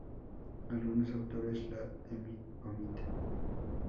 Algunos autores la omiten.